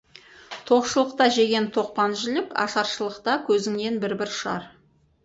Тоқшылықта жеген тоқпан жілік, ашаршылықта көзіңнен бір-бір ұшар.